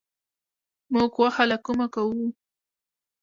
موږ غوښه له کومه کوو؟